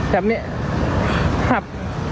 จับมันหับ